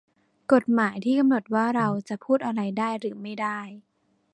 กฎหมายที่กำหนดว่าเราจะพูดอะไรได้หรือไม่ได้